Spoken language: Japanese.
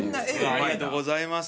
ありがとうございます。